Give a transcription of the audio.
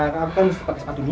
kamu kan harus pakai sepatu dulu